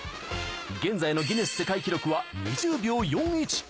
現在のギネス世界記録は２０秒４１。